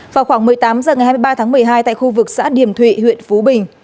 vào khoảng một mươi tám h ngày hai mươi ba tháng một mươi hai tại khu vực xã điểm thụy huyện phú bình